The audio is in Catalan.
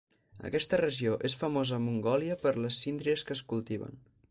Aquesta regió és famosa a Mongòlia per les síndries que es cultiven.